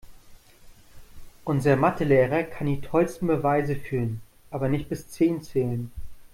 Unser Mathe-Lehrer kann die tollsten Beweise führen, aber nicht bis zehn zählen.